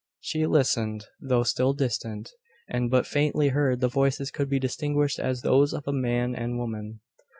She listened. Though still distant, and but faintly heard, the voices could be distinguished as those of a man and woman.